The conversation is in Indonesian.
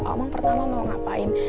omang pertama mau ngapain